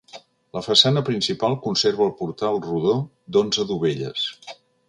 La façana principal conserva el portal rodó d'onze dovelles.